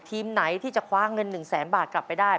ที่จะคว้าเงิน๑๐๐๐๐๐บาทกลับไปได้